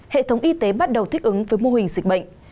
hệ thống y tế bắt đầu thích ứng với mô hình dịch bệnh